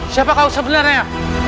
siapa kau sebenarnya